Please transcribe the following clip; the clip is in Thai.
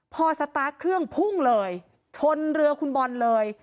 พอสตาร์ทเครื่องพุ่งเลยชนเรือคุณบอลเลย